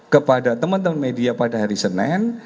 kepada teman teman media pada hari senin